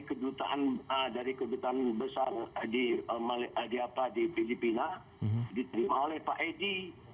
kedutaan dari kedutaan besar di filipina diterima oleh pak edi